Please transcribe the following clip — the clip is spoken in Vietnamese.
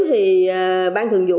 thì ban thường vụ